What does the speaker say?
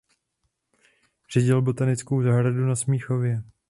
Řídil botanickou zahradu na Smíchově.